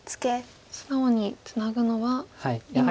素直にツナぐのは。